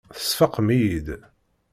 Tesfaqem-iyi-id.